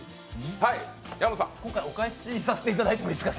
お返しさせていただいていいですか？